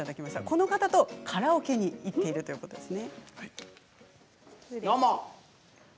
この方とカラオケに行っているということです。